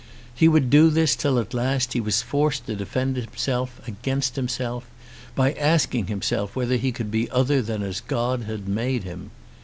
He would do this till at last he was forced to defend himself against himself by asking himself whether he could be other than as God had made him.